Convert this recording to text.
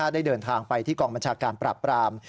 ได้เดินทางไปที่กองบัญชาการปราบปราม